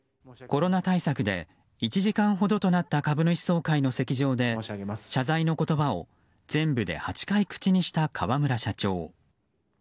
コロナ対策で１時間ほどとなった株主総会の席上で謝罪の言葉を全部で８回口にした河村社長。